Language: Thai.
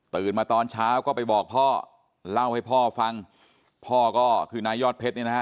มาตอนเช้าก็ไปบอกพ่อเล่าให้พ่อฟังพ่อก็คือนายยอดเพชรเนี่ยนะฮะ